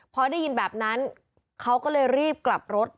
พอได้ยินแบบนั้นเขาก็เลยรีบกลับรถ